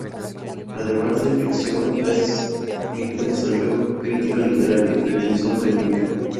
Además de ficción ha escrito ensayo, crítica literaria y periodismo de opinión.